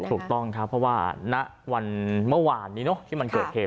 ถูกต้องครับเพราะว่าณวันเมื่อวานนี้เนอะที่มันเกิดเหตุ